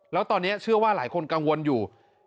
แล้วตอนนี้เชื่อว่าหลายคนกังวลอยู่